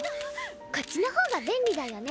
こっちの方が便利だよね。